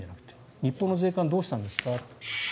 日本の税関、どうしたんですか？